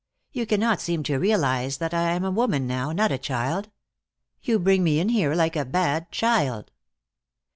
You cannot seem to realize that I am a woman now, not a child. You bring me in here like a bad child."